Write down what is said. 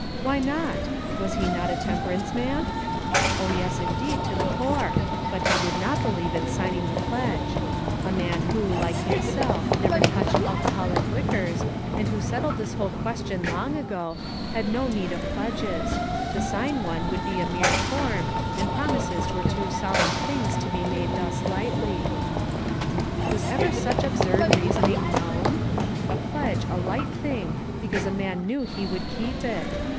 Why not? Was he not a temperance man ? Oh, yes, indeed, to the core. But he did not believe in signing the pledge. A man who, like himself, never touched alcoholic liquors, and who settled this whole question long ago, had no need of pledges; to sign one would be a mere PLEDGES. 413 form, and promises were too solemn things to be made thus lightly ! Was ever such absurd reasoning known ? A pledge a light thing, because a man knew he would keep it!